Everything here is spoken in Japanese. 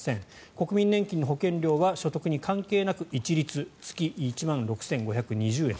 国民年金の保険料は所得に関係なく一律月１万６５２０円。